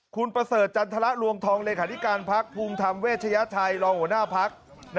คุณเปลดสดพักกับพูมธรรมเวชยาไทยรองหัวหน้าพัก